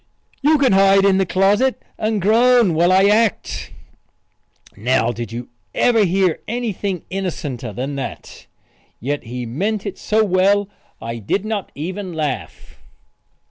"You can hide in the closet and groan while I act." Now did you ever hear anything innocenter than that? Yet he meant it so well I did not even laugh.